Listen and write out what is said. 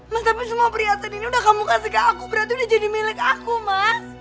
mas tapi semua prihatin ini udah kamu kasih ke aku berarti udah jadi milik aku mas